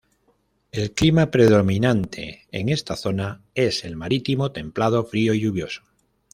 El clima predominante en esta zona es el marítimo templado-frío y lluvioso.